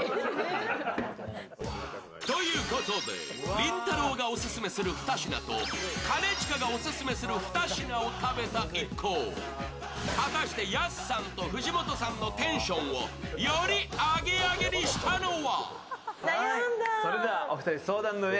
りんたろーがオススメする２品と兼近がオススメする２品を食べた一行、果たして、安さんと藤本さんのテンションをよりアゲアゲにしたのは？